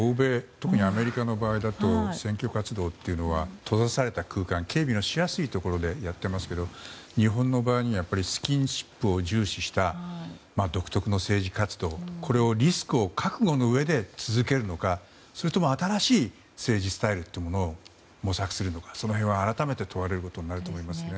特にアメリカは選挙活動は閉ざされた空間警備のしやすいところでやってますけど日本の場合にはスキンシップを重視した独特の政治活動リスクを覚悟のうえで続けるのかそれとも新しい政治スタイルを模索するのか、その辺は改めて問われると思いますね。